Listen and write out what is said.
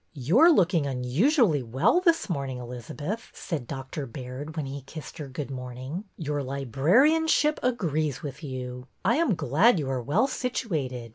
You are looking unusually well this morning, Elizabeth," said Dr. Baird, when he kissed her good morning. '' Your librarianship agrees with you. I am glad you are well situated.